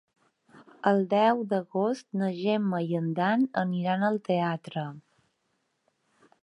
El deu d'agost na Gemma i en Dan aniran al teatre.